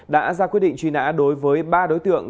đã ra quyết định truy nã đối với ba đối tượng